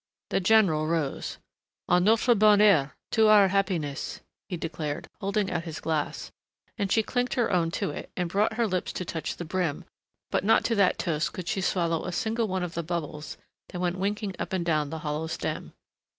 The general rose. "À notre bonheur to our happiness," he declared, holding out his glass, and she clinked her own to it and brought her lips to touch the brim, but not to that toast could she swallow a single one of the bubbles that went winking up and down the hollow stem.